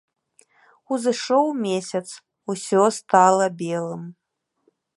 Узышоў месяц, усё стала белым.